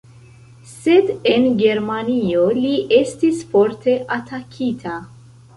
Sed en germanio li estis forte atakita.